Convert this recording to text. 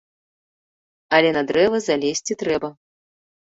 Але на дрэва залезці трэба.